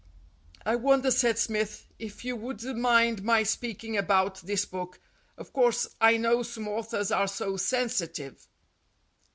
"I wonder," said Smith, "if you would mind my speaking about this book. Of course, I know some authors are so sensitive."